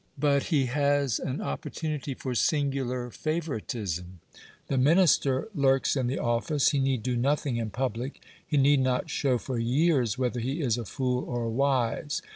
But he has an opportunity for singular favouritism; the Minister lurks in the office; he need do nothing in public; he need not show for years whether he is a fool or wise.